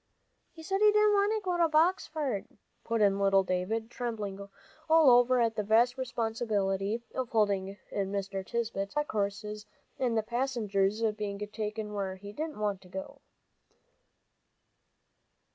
"He said he didn't want to go to Boxford," put in little David, trembling all over at the vast responsibility of holding in Mr. Tisbett's black horses, and the passenger's being taken where he didn't want to go.